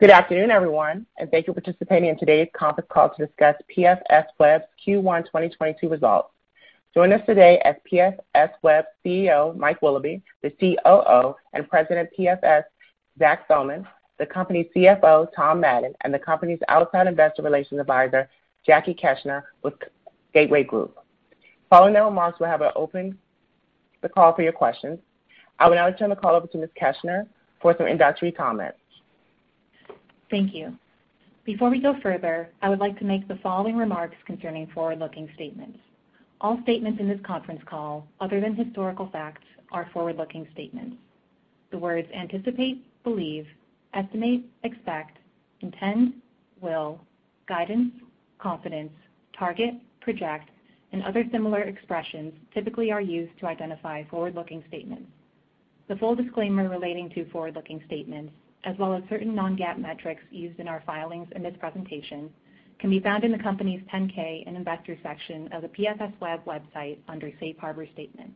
Good afternoon, everyone, and thank you for participating in today's Conference Call to discuss PFSweb's Q1 2022 results. Joining us today is PFSweb's CEO, Mike Willoughby, the COO and President of PFS, Zach Thomann, the company's CFO, Tom Madden, and the company's outside investor relations advisor, Jackie Keshner with Gateway Group. Following their remarks, we'll open the call for your questions. I will now turn the call over to Ms. Keshner for some introductory comments. Thank you. Before we go further, I would like to make the following remarks concerning forward-looking statements. All statements in this Conference Call, other than historical facts, are forward-looking statements. The words anticipate, believe, estimate, expect, intend, will, guidance, confidence, target, project, and other similar expressions typically are used to identify forward-looking statements. The full disclaimer relating to forward-looking statements, as well as certain non-GAAP metrics used in our filings in this presentation, can be found in the company's 10-K in investor section of the PFSweb website under Safe Harbor Statements.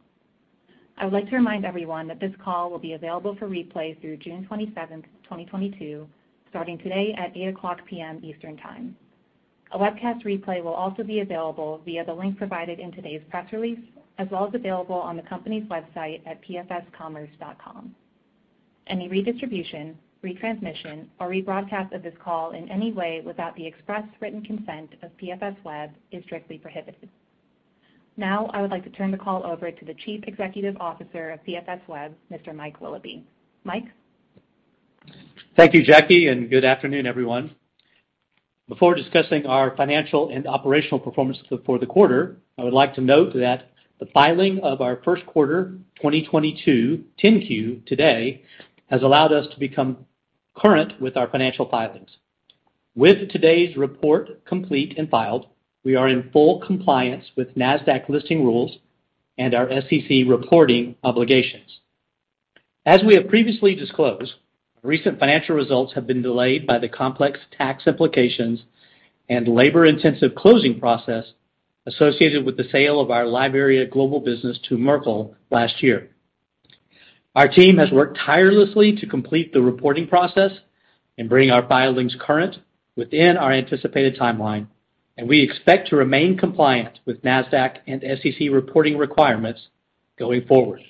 I would like to remind everyone that this call will be available for replay through June twenty-seventh, twenty twenty-two, starting today at 8:00 P.M. Eastern Time. A webcast replay will also be available via the link provided in today's press release, as well as available on the company's website at pfscommerce.com. Any redistribution, retransmission, or rebroadcast of this call in any way without the express written consent of PFSweb is strictly prohibited. Now I would like to turn the call over to the Chief Executive Officer of PFSweb, Mr. Mike Willoughby. Mike? Thank you, Jackie, and good afternoon, everyone. Before discussing our financial and operational performance for the quarter, I would like to note that the filing of our Q1 2022 10-Q today has allowed us to become current with our financial filings. With today's report complete and filed, we are in full compliance with Nasdaq listing rules and our SEC reporting obligations. As we have previously disclosed, recent financial results have been delayed by the complex tax implications and labor-intensive closing process associated with the sale of our LiveArea global business to Merkle last year. Our team has worked tirelessly to complete the reporting process and bring our filings current within our anticipated timeline, and we expect to remain compliant with Nasdaq and SEC reporting obligations going forward.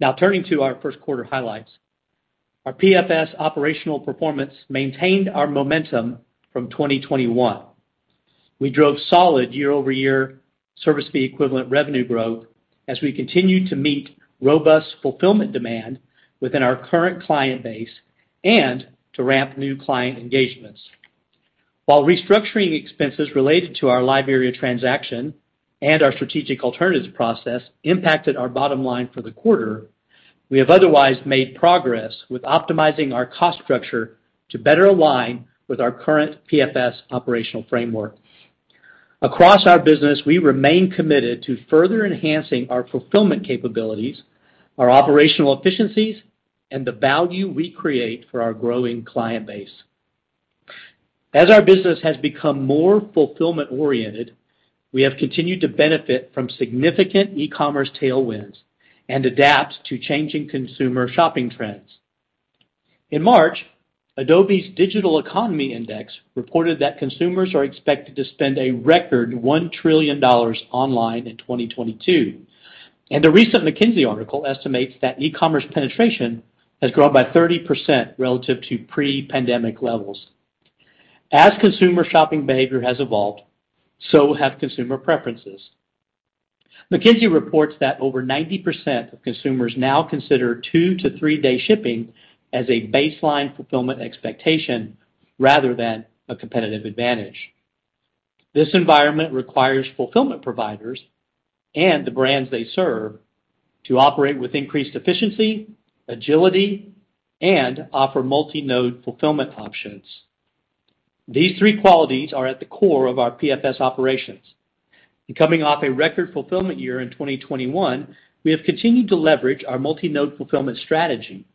Now turning to our Q1 highlights. Our PFS operational performance maintained our momentum from 2021. We drove solid year-over-year service fee equivalent revenue growth as we continued to meet robust fulfillment demand within our current client base and to ramp new client engagements. While restructuring expenses related to our LiveArea transaction and our strategic alternatives process impacted our bottom-line for the quarter, we have otherwise made progress with optimizing our cost structure to better align with our current PFS operational framework. Across our business, we remain committed to further enhancing our fulfillment capabilities, our operational efficiencies, and the value we create for our growing client base. As our business has become more fulfillment-oriented, we have continued to benefit from significant e-commerce tailwinds and adapt to changing consumer shopping trends. In March, Adobe's Digital Economy Index reported that consumers are expected to spend a record $1 trillion online in 2022, and a recent McKinsey article estimates that e-commerce penetration has grown by 30% relative to pre-pandemic levels. As consumer shopping behavior has evolved, so have consumer preferences. McKinsey reports that over 90% of consumers now consider 2- to 3-day shipping as a baseline fulfillment expectation rather than a competitive advantage. This environment requires fulfillment providers and the brands they serve to operate with increased efficiency, agility, and offer multi-node fulfillment options. These three qualities are at the core of our PFS operations. Coming off a record fulfillment year in 2021, we have continued to leverage our multi-node fulfillment strategy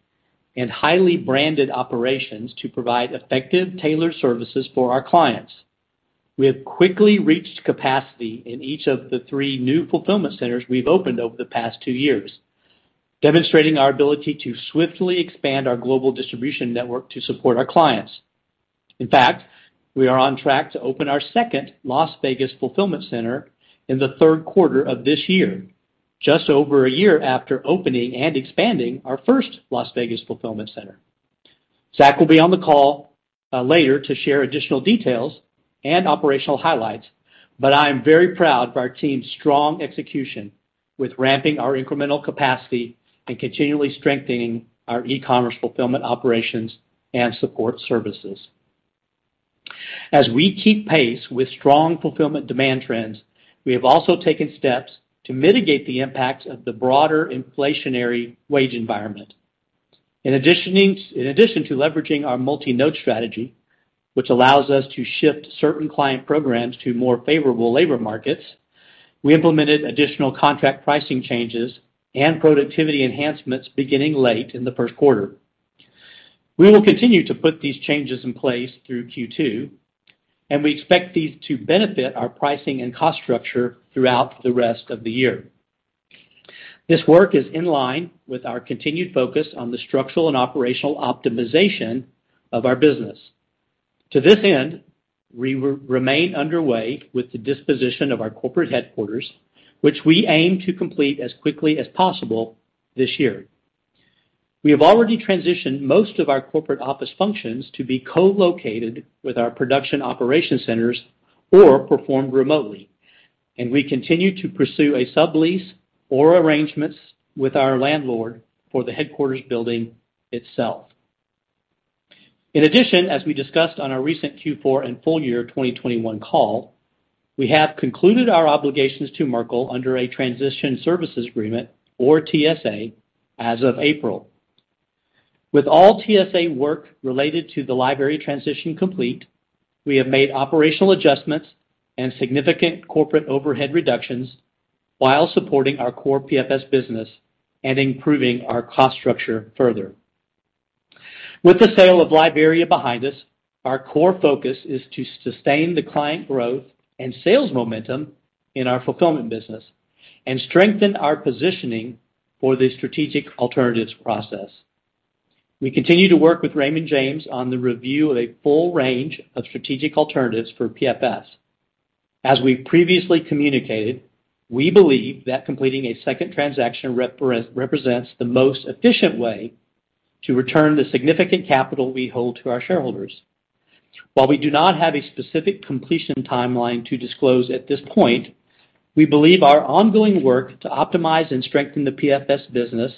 and highly-branded operations to provide effective tailored services for our clients. We have quickly reached capacity in each of the three new fulfillment centers we've opened over the past two years, demonstrating our ability to swiftly expand our global distribution network to support our clients. In fact, we are on track to open our second Las Vegas fulfillment center in the Q3 this year, just over a year after opening and expanding our first Las Vegas fulfillment center. Zach will be on the call later to share additional details and operational highlights, but I am very proud of our team's strong execution with ramping our incremental capacity and continually strengthening our e-commerce fulfillment operations and support services. As we keep pace with strong fulfillment demand trends, we have also taken steps to mitigate the impacts of the broader inflationary wage environment. In addition to leveraging our multi-node strategy, which allows us to shift certain client programs to more favorable labor markets, we implemented additional contract pricing changes and productivity enhancements beginning late in the Q1. We will continue to put these changes in place through Q2, and we expect these to benefit our pricing and cost structure throughout the rest of the year. This work is in line with our continued focus on the structural and operational optimization of our business. To this end, we remain underway with the disposition of our corporate headquarters, which we aim to complete as quickly as possible this year. We have already transitioned most of our corporate office functions to be co-located with our production operation centers or performed remotely, and we continue to pursue a sublease or arrangements with our landlord for the headquarters building itself. In addition, as we discussed on our recent Q4 and full-year 2021 call, we have concluded our obligations to Merkle under a transition services agreement or TSA as of April. With all TSA work related to the LiveArea transition complete, we have made operational adjustments and significant corporate overhead reductions while supporting our core PFS business and improving our cost structure further. With the sale of LiveArea behind us, our core focus is to sustain the client growth and sales momentum in our fulfillment business and strengthen our positioning for the strategic alternatives process. We continue to work with Raymond James on the review of a full range of strategic alternatives for PFS. As we previously communicated, we believe that completing a second transaction represents the most efficient way to return the significant capital we hold to our shareholders. While we do not have a specific completion timeline to disclose at this point, we believe our ongoing work to optimize and strengthen the PFS business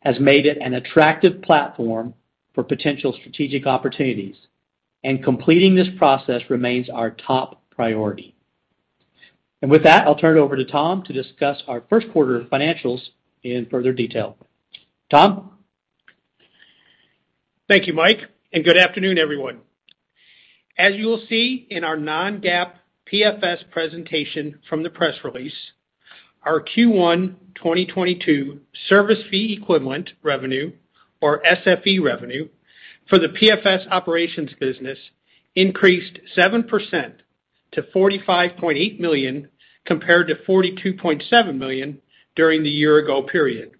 has made it an attractive platform for potential strategic opportunities, and completing this process remains our top priority. With that, I'll turn it over to Tom to discuss our Q1 financials in further detail. Tom? Thank you, Mike, and good afternoon, everyone. As you will see in our non-GAAP PFS presentation from the press release, our Q1 2022 service fee equivalent revenue or SFE revenue for the PFS operations business increased 7% to $45.8 million compared to $42.7 million during the year ago period.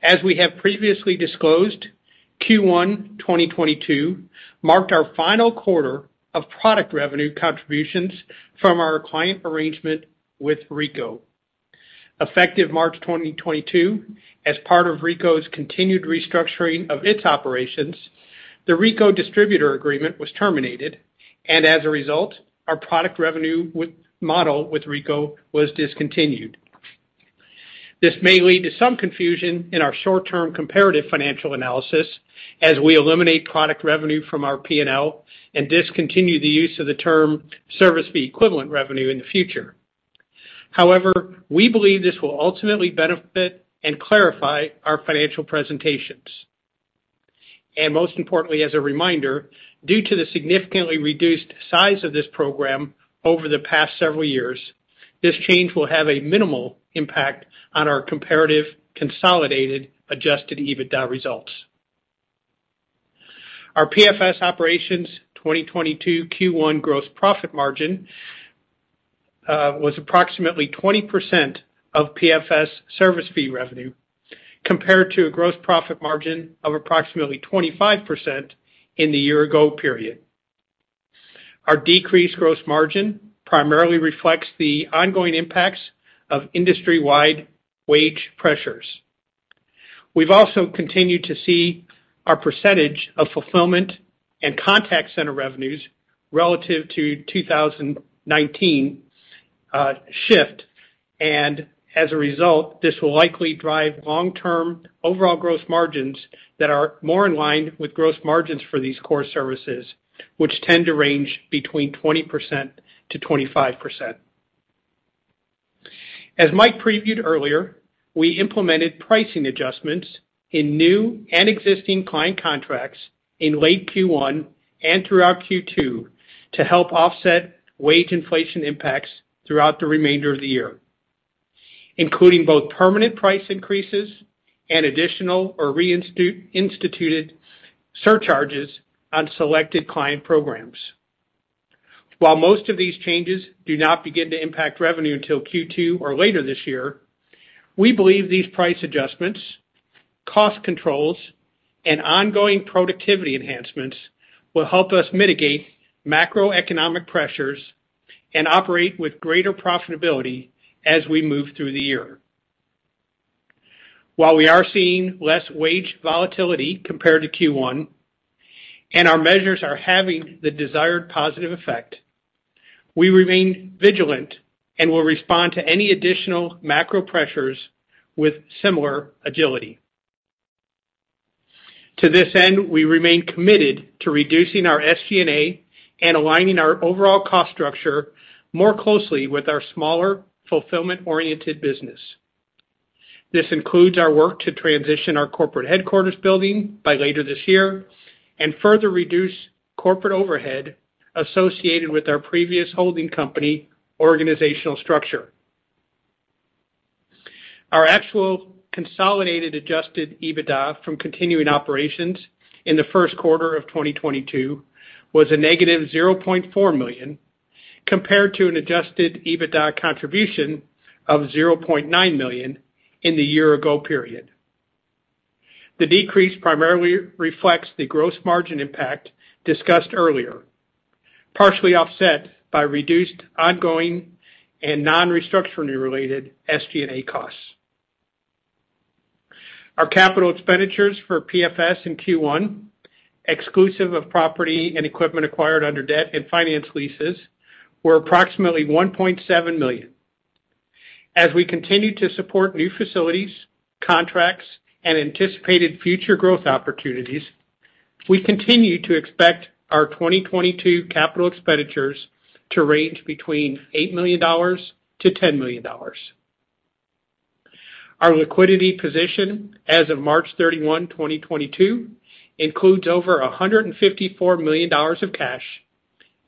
As we have previously disclosed, Q1 2022 marked our final quarter of product revenue contributions from our client arrangement with Ricoh. Effective March 2022, as part of Ricoh's continued restructuring of its operations, the Ricoh distributor agreement was terminated, and as a result, our product revenue model with Ricoh was discontinued. This may lead to some confusion in our short-term comparative financial analysis as we eliminate product revenue from our P&L and discontinue the use of the term service fee equivalent revenue in the future. However, we believe this will ultimately benefit and clarify our financial presentations. Most importantly, as a reminder, due to the significantly reduced size of this program over the past several years, this change will have a minimal impact on our comparative consolidated adjusted EBITDA results. Our PFS operations 2022 Q1 gross profit margin was approximately 20% of PFS service fee revenue compared to a gross profit margin of approximately 25% in the year-ago period. Our decreased gross margin primarily reflects the ongoing impacts of industry-wide wage pressures. We've also continued to see our percentage of fulfillment and contact center revenues relative to 2019 shift. As a result, this will likely drive long-term overall gross margins that are more in line with gross margins for these core services, which tend to range between 20%-25%. As Mike previewed earlier, we implemented pricing adjustments in new and existing client contracts in late Q1 and throughout Q2 to help offset wage inflation impacts throughout the remainder of the year, including both permanent price increases and additional or re-instituted surcharges on selected client programs. While most of these changes do not begin to impact revenue until Q2 or later this year, we believe these price adjustments, cost controls, and ongoing productivity enhancements will help us mitigate macroeconomic pressures and operate with greater profitability as we move through the year. While we are seeing less wage volatility compared to Q1, and our measures are having the desired positive effect, we remain vigilant and will respond to any additional macro pressures with similar agility. To this end, we remain committed to reducing our SG&A and aligning our overall cost structure more closely with our smaller, fulfillment-oriented business. This includes our work to transition our corporate headquarters building by later this year and further reduce corporate overhead associated with our previous holding company organizational structure. Our actual consolidated adjusted EBITDA from continuing operations in the Q1 2022 was a negative $0.4 million. Compared to an adjusted EBITDA contribution of $0.9 million in the year-ago period. The decrease primarily reflects the gross margin impact discussed earlier, partially offset by reduced ongoing and non-restructuring-related SG&A costs. Our capital expenditures for PFS in Q1, exclusive of property and equipment acquired under debt and finance leases, were approximately $1.7 million. As we continue to support new facilities, contracts, and anticipated future growth opportunities, we continue to expect our 2022 capital expenditures to range between $8 million-$10 million. Our liquidity position as of March 31, 2022, includes over $154 million of cash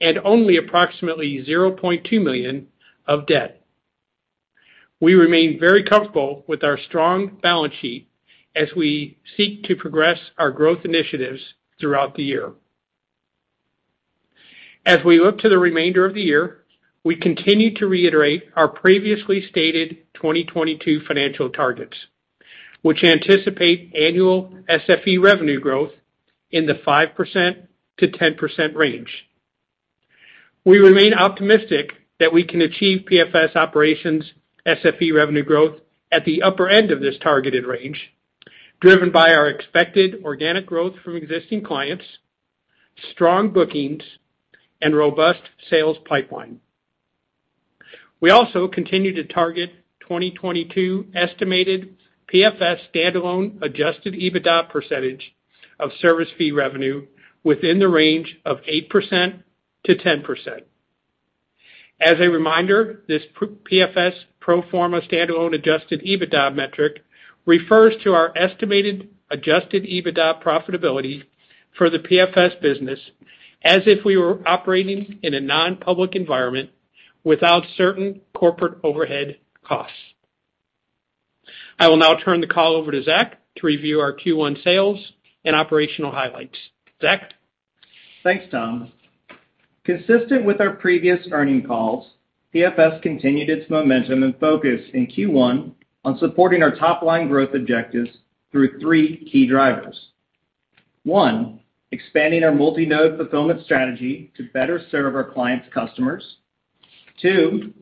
and only approximately $0.2 million of debt. We remain very comfortable with our strong balance sheet as we seek to progress our growth initiatives throughout the year. We look to the remainder of the year, we continue to reiterate our previously stated 2022 financial targets, which anticipate annual SFE revenue growth in the 5%-10% range. We remain optimistic that we can achieve PFS operations SFE revenue growth at the upper end of this targeted range, driven by our expected organic growth from existing clients, strong bookings, and robust sales pipeline. We also continue to target 2022 estimated PFS standalone adjusted EBITDA percentage of service fee revenue within the range of 8%-10%. As a reminder, this PFS pro forma standalone adjusted EBITDA metric refers to our estimated adjusted EBITDA profitability for the PFS business as if we were operating in a non-public environment without certain corporate overhead costs. I will now turn the call over to Zach to review our Q1 sales and operational highlights. Zach. Thanks, Tom. Consistent with our previous earnings calls, PFS continued its momentum and focus in Q1 on supporting our top-line growth objectives through three key drivers. One, expanding our multi-node fulfillment strategy to better serve our clients' customers. Two,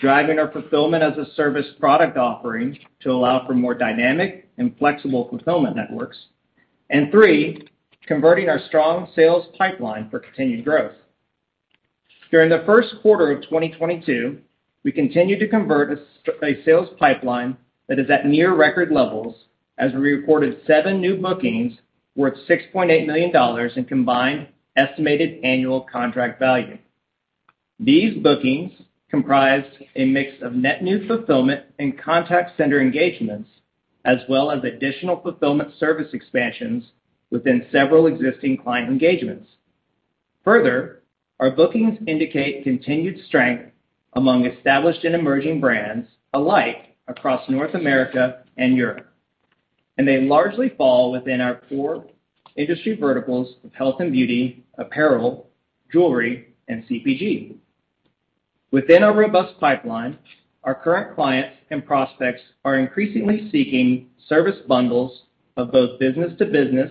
driving our fulfillment-as-a-service product offering to allow for more dynamic and flexible fulfillment networks. And three, converting our strong sales pipeline for continued growth. During the Q1 2022, we continued to convert a sales pipeline that is at near record levels as we reported 7 new bookings worth $6.8 million in combined estimated annual contract value. These bookings comprised a mix of net new fulfillment and contact center engagements, as well as additional fulfillment service expansions within several existing client engagements. Further, our bookings indicate continued strength among established and emerging brands alike across North America and Europe, and they largely fall within our core industry verticals of health and beauty, apparel, jewelry, and CPG. Within our robust pipeline, our current clients and prospects are increasingly seeking service bundles of both business-to-business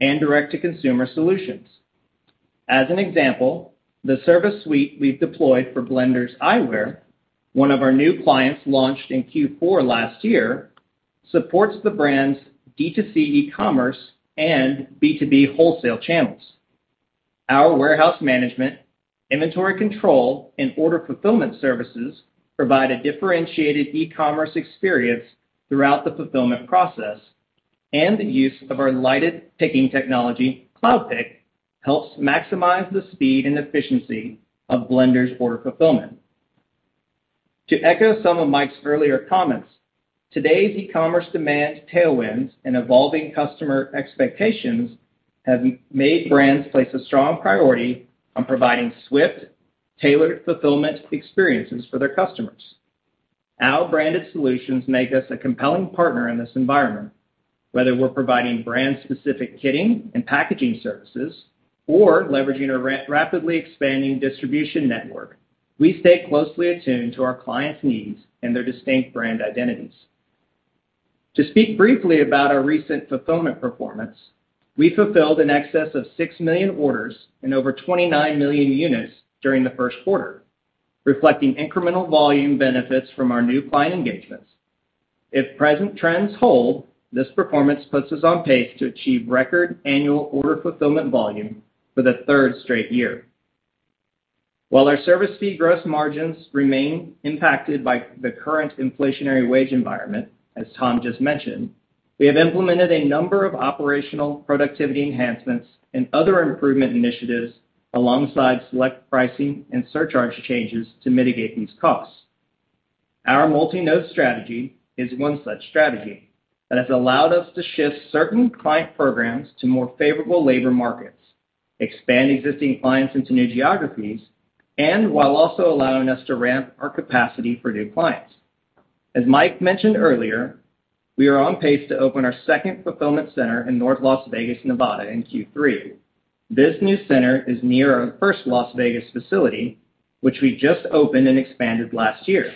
and direct-to-consumer solutions. As an example, the service suite we've deployed for Blenders Eyewear, one of our new clients launched in Q4 last year, supports the brand's D2C e-commerce and B2B wholesale channels. Our warehouse management, inventory control, and order fulfillment services provide a differentiated e-commerce experience throughout the fulfillment process, and the use of our lighted picking technology, CloudPick, helps maximize the speed and efficiency of Blenders order fulfillment. To echo some of Mike's earlier comments, today's e-commerce demand tailwinds and evolving customer expectations have made brands place a strong priority on providing swift, tailored fulfillment experiences for their customers. Our branded solutions make us a compelling partner in this environment. Whether we're providing brand-specific kitting and packaging services or leveraging our rapidly expanding distribution network, we stay closely attuned to our clients' needs and their distinct brand identities. To speak briefly about our recent fulfillment performance, we fulfilled in excess of 6 million orders and over 29 million units during the Q1, reflecting incremental volume benefits from our new client engagements. If present trends hold, this performance puts us on pace to achieve record annual order fulfillment volume for the third straight year. While our service fee gross margins remain impacted by the current inflationary wage environment, as Tom just mentioned, we have implemented a number of operational productivity enhancements and other improvement initiatives alongside select pricing and surcharge changes to mitigate these costs. Our multi-node strategy is one such strategy that has allowed us to shift certain client programs to more favorable labor markets, expand existing clients into new geographies, and while also allowing us to ramp our capacity for new clients. As Mike mentioned earlier, we are on pace to open our second fulfillment center in North Las Vegas, Nevada, in Q3. This new center is near our first Las Vegas facility, which we just opened and expanded last year.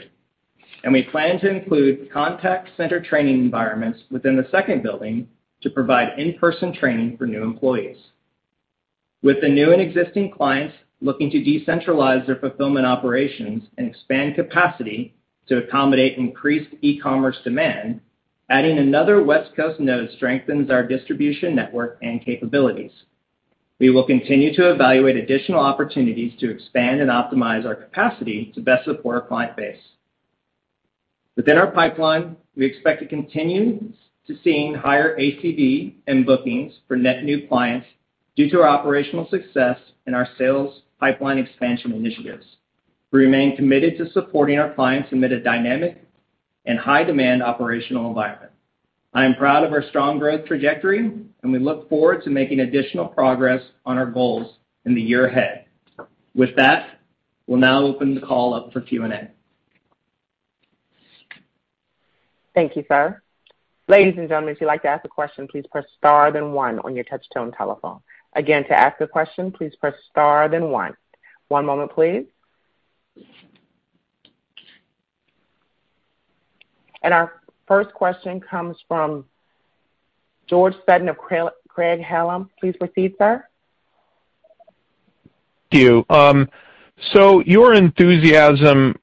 We plan to include contact center training environments within the second building to provide in-person training for new employees. With the new and existing clients looking to decentralize their fulfillment operations and expand capacity to accommodate increased e-commerce demand, adding another West Coast node strengthens our distribution network and capabilities. We will continue to evaluate additional opportunities to expand and optimize our capacity to best support our client base. Within our pipeline, we expect to continue to see higher ACV and bookings for net new clients due to our operational success and our sales pipeline expansion initiatives. We remain committed to supporting our clients amid a dynamic and high-demand operational environment. I am proud of our strong growth trajectory, and we look forward to making additional progress on our goals in the year ahead. With that, we'll now open the call up for Q&A. Thank you, sir. Ladies and gentlemen, if you'd like to ask a question, please press star then one on your touch tone telephone. Again, to ask a question, please press star then one. One moment, please. Our first question comes from George Sutton of Craig-Hallum. Please proceed, sir. Thank you. Your enthusiasm,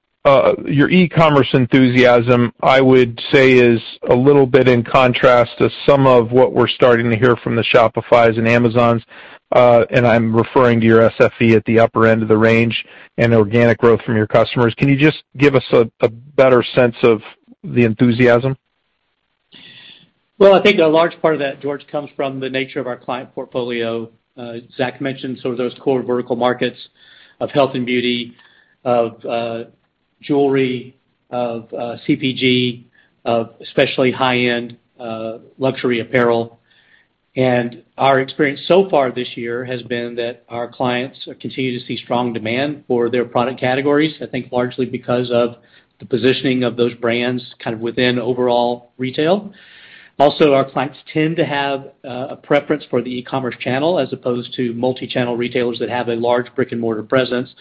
your e-commerce enthusiasm, I would say, is a little bit in contrast to some of what we're starting to hear from the Shopifys and Amazons, and I'm referring to your SFE at the upper end of the range and organic growth from your customers. Can you just give us a better sense of the enthusiasm? Well, I think a large part of that, George, comes from the nature of our client portfolio. Zach mentioned some of those core vertical markets of health and beauty, of jewelry, of CPG, of especially high-end luxury apparel. Our experience so far this year has been that our clients continue to see strong demand for their product categories, I think largely because of the positioning of those brands kind of within overall retail. Also, our clients tend to have a preference for the e-commerce channel as opposed to multi-channel retailers that have a large brick-and-mortar presence.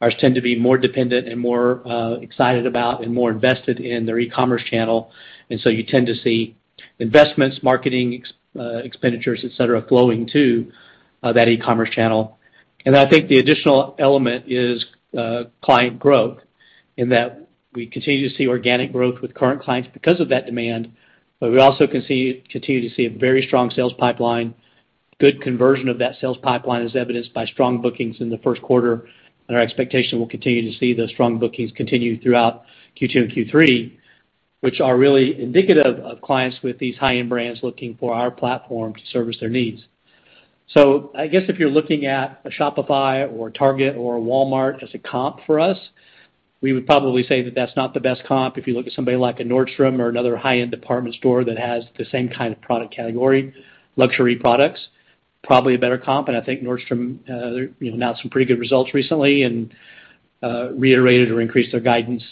Ours tend to be more dependent and more excited about and more invested in their e-commerce channel. You tend to see investments, marketing expenditures, et cetera, flowing to that e-commerce channel. I think the additional element is client growth, in that we continue to see organic growth with current clients because of that demand, but we also continue to see a very strong sales pipeline. Good conversion of that sales pipeline is evidenced by strong bookings in the Q1. Our expectation, we'll continue to see those strong bookings continue throughout Q2 and Q3, which are really indicative of clients with these high-end brands looking for our platform to service their needs. I guess if you're looking at a Shopify or a Target or a Walmart as a comp for us, we would probably say that that's not the best comp. If you look at somebody like a Nordstrom or another high-end department store that has the same kind of product category, luxury products, probably a better comp. I think Nordstrom announced some pretty good results recently and reiterated or increased their guidance.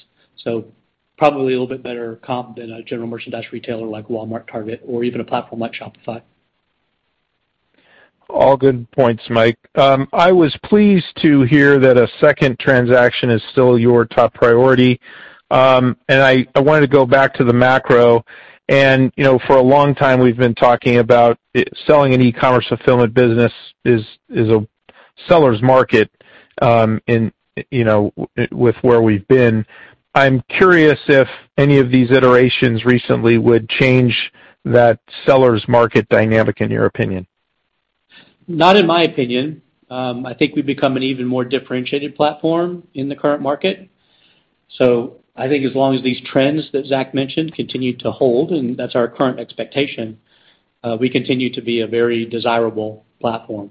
Probably a little bit better comp than a general merchandise retailer like Walmart, Target, or even a platform like Shopify. All good points, Mike. I was pleased to hear that a second transaction is still your top priority. I wanted to go back to the macro. You know, for a long time we've been talking about selling an e-commerce fulfillment business is a seller's market, and you know, with where we've been. I'm curious if any of these iterations recently would change that seller's market dynamic, in your opinion. Not in my opinion. I think we've become an even more differentiated platform in the current market. I think as long as these trends that Zach mentioned continue to hold, and that's our current expectation, we continue to be a very desirable platform.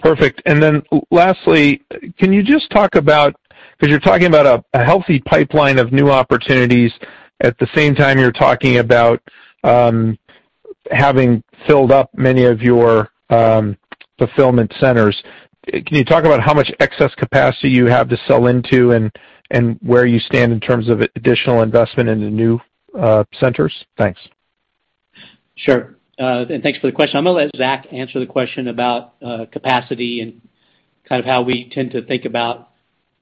Perfect. Then lastly, can you just talk about 'cause you're talking about a healthy pipeline of new opportunities. At the same time, you're talking about having filled up many of your fulfillment centers. Can you talk about how much excess capacity you have to sell into and where you stand in terms of additional investment in the new centers? Thanks. Sure. And thanks for the question. I'm gonna let Zach answer the question about capacity and kind of how we tend to think about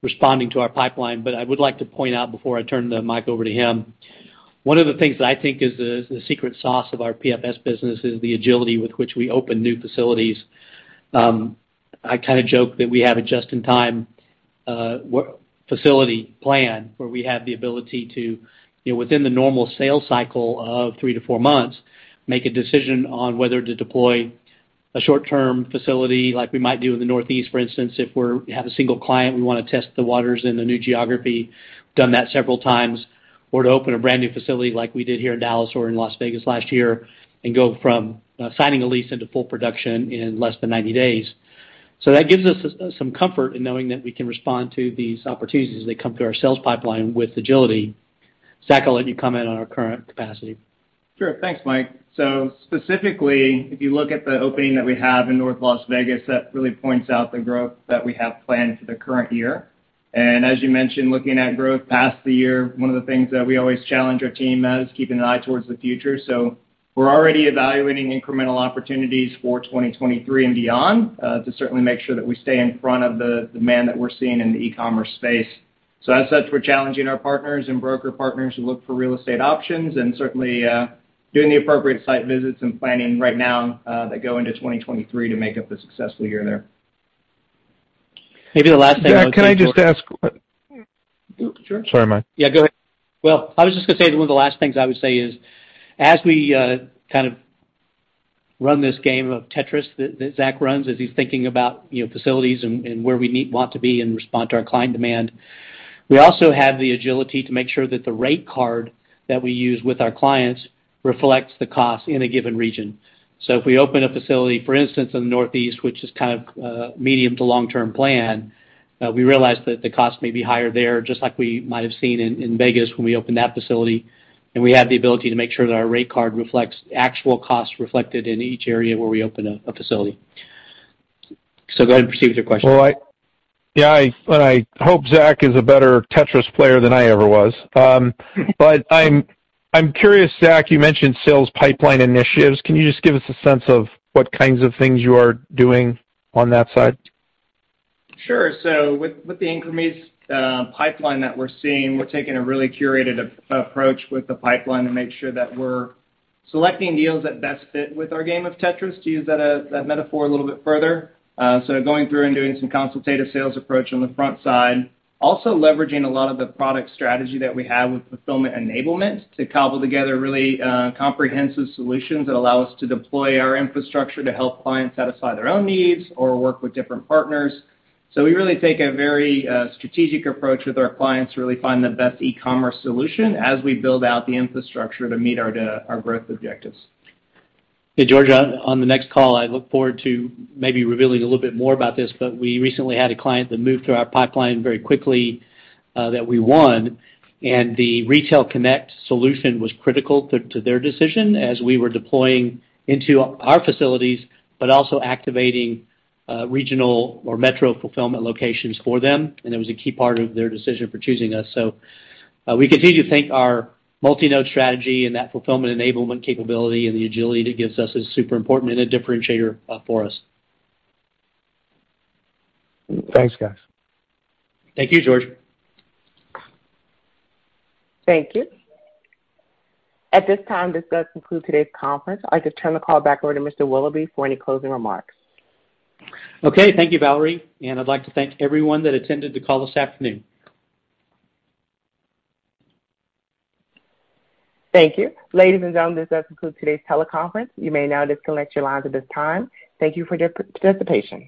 responding to our pipeline. I would like to point out before I turn the mic over to him, one of the things that I think is the secret sauce of our PFS business is the agility with which we open new facilities. I kind of joke that we have a just-in-time facility plan where we have the ability to, you know, within the normal sales cycle of 3-4 months, make a decision on whether to deploy a short-term facility like we might do in the Northeast, for instance, if we have a single client, we wanna test the waters in the new geography. Done that several times. To open a brand new facility like we did here in Dallas or in Las Vegas last year, and go from signing a lease into full production in less than 90 days. That gives us some comfort in knowing that we can respond to these opportunities as they come through our sales pipeline with agility. Zach, I'll let you comment on our current capacity. Sure. Thanks, Mike. Specifically, if you look at the opening that we have in North Las Vegas, that really points out the growth that we have planned for the current year. As you mentioned, looking at growth past the year, one of the things that we always challenge our team as keeping an eye towards the future. We're already evaluating incremental opportunities for 2023 and beyond, to certainly make sure that we stay in front of the demand that we're seeing in the e-commerce space. As such, we're challenging our partners and broker partners to look for real estate options and certainly, doing the appropriate site visits and planning right now, that go into 2023 to make up a successful year there. Maybe the last thing I was thinking. Yeah. Can I just ask? Sure. Sorry, Mike. Yeah, go ahead. Well, I was just gonna say that one of the last things I would say is, as we kind of run this game of Tetris that Zach runs as he's thinking about, you know, facilities and where we want to be and respond to our client demand, we also have the agility to make sure that the rate card that we use with our clients reflects the cost in a given region. If we open a facility, for instance, in the Northeast, which is kind of medium to long-term plan, we realize that the cost may be higher there, just like we might have seen in Vegas when we opened that facility, and we have the ability to make sure that our rate card reflects actual costs reflected in each area where we open up a facility. Go ahead and proceed with your question. Well, yeah. I hope Zach is a better Tetris player than I ever was. I'm curious, Zach. You mentioned sales pipeline initiatives. Can you just give us a sense of what kinds of things you are doing on that side? Sure. With the increments pipeline that we're seeing, we're taking a really curated approach with the pipeline to make sure that we're selecting deals that best fit with our game of Tetris, to use that metaphor a little bit further. Going through and doing some consultative sales approach on the front side. Also leveraging a lot of the product strategy that we have with fulfillment enablement to cobble together really comprehensive solutions that allow us to deploy our infrastructure to help clients satisfy their own needs or work with different partners. We really take a very strategic approach with our clients to really find the best e-commerce solution as we build out the infrastructure to meet our growth objectives. Hey, George, on the next call, I look forward to maybe revealing a little bit more about this, but we recently had a client that moved through our pipeline very quickly, that we won, and the Retail Connect solution was critical to their decision as we were deploying into our facilities, but also activating regional or metro fulfillment locations for them. It was a key part of their decision for choosing us. We continue to thank our multi-node strategy and that fulfillment enablement capability and the agility it gives us is super important and a differentiator for us. Thanks, guys. Thank you, George. Thank you. At this time, this does conclude today's conference. I'll just turn the call back over to Mr. Willoughby for any closing remarks. Okay. Thank you, Valerie. I'd like to thank everyone that attended the call this afternoon. Thank you. Ladies and gentlemen, this does conclude today's teleconference. You may now disconnect your lines at this time. Thank you for your participation.